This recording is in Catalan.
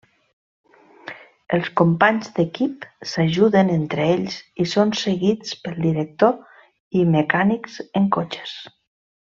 Els companys d'equip s'ajuden entre ells i són seguits pel director i mecànics en cotxes.